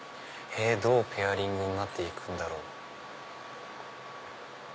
どうペアリングになっていくんだろう？